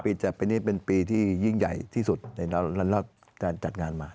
ปีเจ็บปีนี้เป็นปีที่ยิ่งใหญ่ที่สุดในร้านรอดท่านจัดงานมา